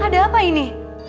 ada apa ini